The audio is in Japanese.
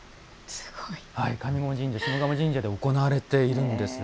上賀茂神社、下鴨神社で行われているんですよ。